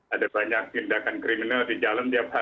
ada banyak tindakan kriminal di jalan tiap hari